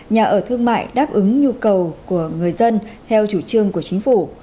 nhà ở thương mại đáp ứng nhu cầu của người dân theo chủ trương của chính phủ